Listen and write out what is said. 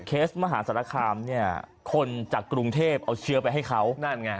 มหาศาลคามเนี่ยคนจากกรุงเทพเอาเชื้อไปให้เขานั่นไง